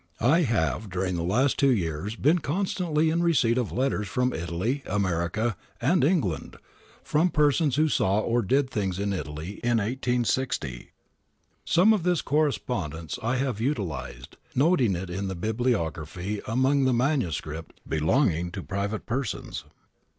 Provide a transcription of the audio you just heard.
I have during the last two years been constantly in receipt of letters from Italy, America, and England, from persons who saw or did things in Italy in i860. Some of this correspondence I have utilised, noting it in the Bibliography among the MSS. belonging to private persons.